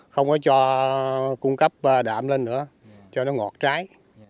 không có cho cung cấp đạm lên nữa cho nó ngọt trái